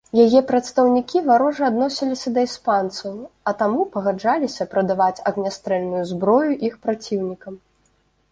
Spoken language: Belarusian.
Яе прадстаўнікі варожа адносіліся да іспанцаў, а таму пагаджаліся прадаваць агнястрэльную зброю іх праціўнікам.